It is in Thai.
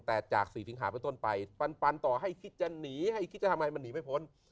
แต่จาก๔สิงหาไปต้นไปปันต่อให้คิดจะหนีให้คิดจะทำไมมันหนีไม่พ้น